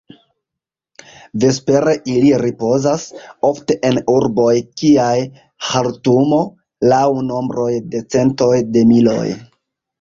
Vespere ili ripozas, ofte en urboj kiaj Ĥartumo, laŭ nombroj de centoj de miloj.